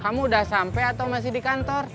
kamu udah sampai atau masih di kantor